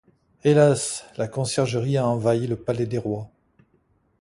Hélas! la Conciergerie a envahi le Palais des rois.